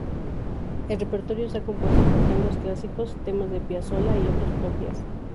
El repertorio está compuesto por tangos clásicos, temas de Piazzolla y obras propias.